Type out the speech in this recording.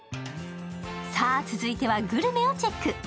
続いてはグルメをチェック。